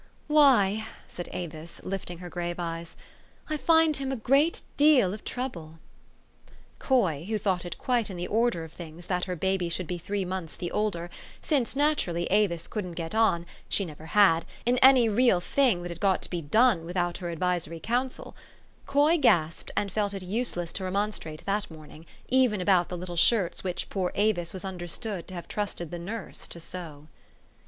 Why," said Avis, lifting her grave eyes, " I find him a great deal of trouble! " Coy, who thought it quite in the order of things that her baby should be three months the older, since naturally Avis couldn't get on (she never had) in any real thing that had got to be done without her advisory council, Coy gasped, and felt it useless to remonstrate that morning, even about the little shirts which poor Avis was understood to have trusted the nurse to sew.